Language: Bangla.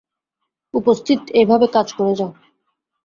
উপস্থিত এইভাবে কাজ করে যাও।